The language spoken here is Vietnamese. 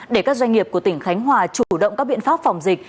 để các doanh nghiệp của tỉnh khánh hòa chủ động các biện pháp phòng dịch